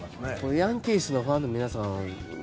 ヤンキースファンの皆さん